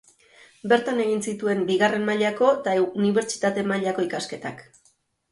Bertan egin zituen bigarren mailako eta unibertsitate mailako ikasketak.